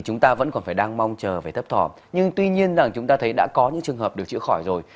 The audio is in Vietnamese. phải đang mong chờ phải thấp thòm nhưng tuy nhiên là chúng ta thấy đã có những trường hợp được chữa khỏi rồi